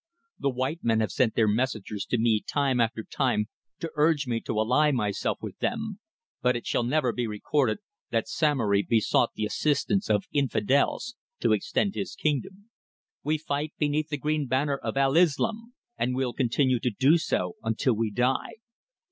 The white men have sent their messengers to me time after time to urge me to ally myself with them, but it shall never be recorded that Samory besought the assistance of infidels to extend his kingdom. We fight beneath the green banner of Al Islâm, and will continue to do so until we die.